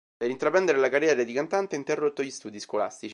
Per intraprendere la carriera di cantante ha interrotto gli studi scolastici.